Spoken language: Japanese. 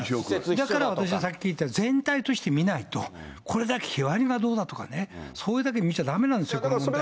だから私はさっき言った全体として見ないと、これだけ日割りがどうだとか、それだけで見ちゃだめなんですよ、この問題は。